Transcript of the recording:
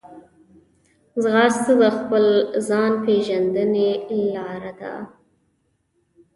ځغاسته د خپل ځان پېژندنې لار ده